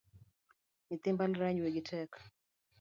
Nyithi mbalariany wigi tek